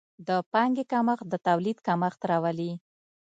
د پانګې کمښت د تولید کمښت راولي.